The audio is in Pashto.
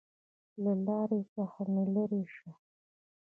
له لارې څخه مې لېرې شه!